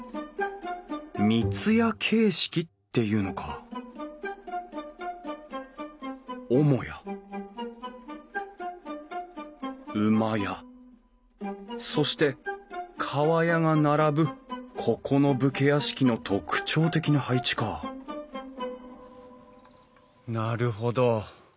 三ツ屋形式っていうのかそして厠が並ぶここの武家屋敷の特徴的な配置かなるほど。